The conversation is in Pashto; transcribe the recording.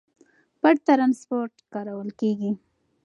پټ ترانسپورت کارول کېږي.